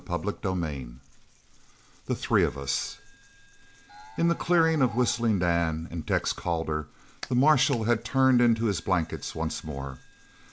CHAPTER XVI THE THREE OF US In the clearing of Whistling Dan and Tex Calder the marshal had turned into his blankets once more.